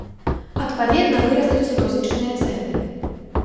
Адпаведна вырастуць і рознічныя цэны.